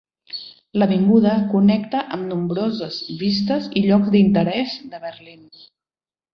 L'avinguda connecta amb nombroses vistes i llocs d'interès de Berlín.